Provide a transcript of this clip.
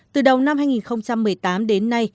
từ đầu năm hai nghìn một mươi tám đến nay